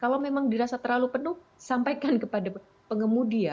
kalau memang dirasa terlalu penuh sampaikan kepada pengemudi ya